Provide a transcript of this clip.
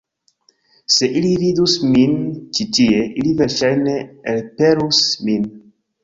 Se ili vidus min ĉi tie, ili verŝajne elpelus min.